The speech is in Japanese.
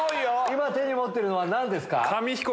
手に持ってるのは何ですか？